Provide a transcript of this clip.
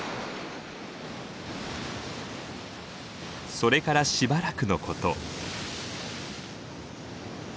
それからしばらくのこと。